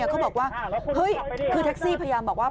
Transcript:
เขาบอกว่าเฮ้ยคือแท็กซี่พยายามบอกว่า